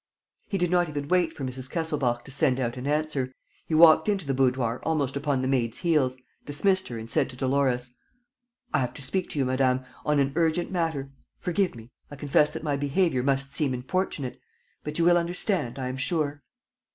He did not even wait for Mrs. Kesselbach to send out an answer. He walked into the boudoir almost upon the maid's heels, dismissed her and said to Dolores: "I have to speak to you, madame, on an urgent matter. ... Forgive me ... I confess that my behavior must seem importunate. ... But you will understand, I am sure.